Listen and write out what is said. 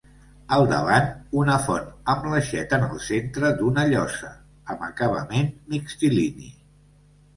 Al davant una font amb l'aixeta en el centre d'una llosa, amb acabament mixtilini.